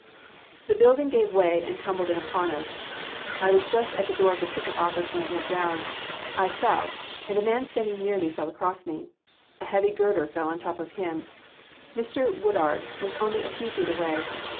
"The building gave way and tumbled in upon us. I was just at the door of the ticket office when it went down. I fell, and a man standing near me fell across me. A heavy girder fell on top of him. Mr. Woodard was only a few feet away.